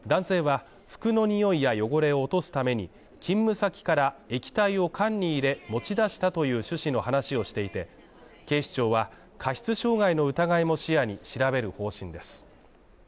男性は服の臭いや汚れを落とすために、勤務先から液体を間に入れ持ち出したという趣旨の話をしていて、警視庁は過失傷害の疑いも視野に調べる方針です。